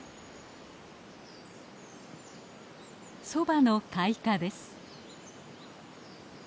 ソバの開花です。